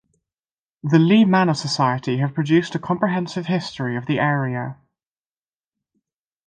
The Lee Manor Society have produced a comprehensive history of the area.